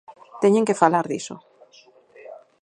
Teñen que falar diso.